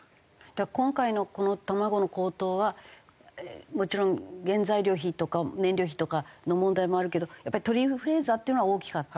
今回のこの卵の高騰はもちろん原材料費とか燃料費とかの問題もあるけどやっぱり鳥インフルエンザっていうのは大きかった？